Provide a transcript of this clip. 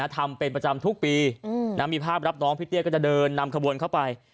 ทำเป็นประจำทุกปีมีภาพรับน้องพี่เตี้ยก็จะเดินนำขบวนเข้าไป